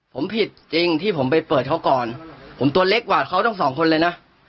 ผมผิดจริงที่ผมไปเปิดเขาก่อนผมตัวเล็กกว่าเขาต้องสองคนเลยนะ